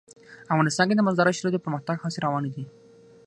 افغانستان کې د مزارشریف د پرمختګ هڅې روانې دي.